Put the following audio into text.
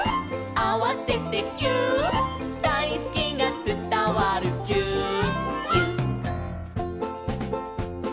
「あわせてぎゅーっ」「だいすきがつたわるぎゅーっぎゅっ」